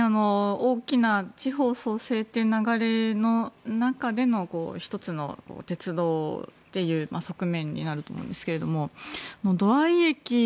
大きな地方創生という流れの中での１つの鉄道という側面になると思うんですが土合駅